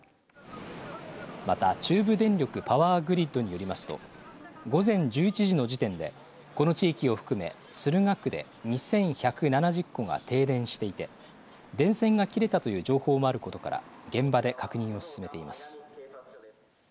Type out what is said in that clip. また、中部電力パワーグリッドによりますと、午前１１時の時点で、この地域を含め、駿河区で２１７０戸が停電していて、電線が切れたという情報もあることから、現場で確認を進めています。